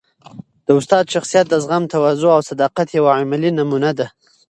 د استاد شخصیت د زغم، تواضع او صداقت یوه عملي نمونه ده.